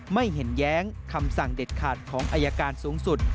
ไม่เห็นแย้งคำสั่งเด็ดขาดของอายการสูงสุด